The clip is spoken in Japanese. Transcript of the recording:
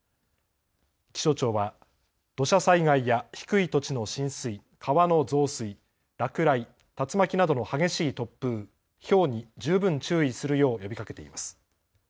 気象庁は土砂災害や低い土地の浸水、川の増水、落雷、竜巻などの激しい突風、ひょうに十分注意するよう呼びかけています。